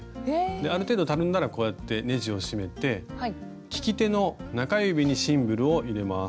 ある程度たるんだらこうやってねじを締めて利き手の中指にシンブルを入れます。